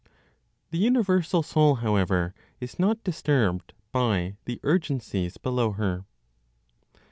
THE UNIVERSAL SOUL, HOWEVER, IS NOT DISTURBED BY THE URGENCIES BELOW HER.